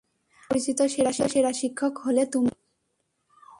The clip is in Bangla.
আমার পরিচিত সেরা শিক্ষক হলে তুমি।